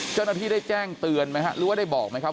เจ้าหน้าที่ได้แจ้งเตือนไหมฮะหรือว่าได้บอกไหมครับ